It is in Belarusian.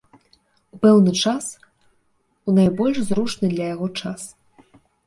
У пэўны час, у найбольш зручны для яго час.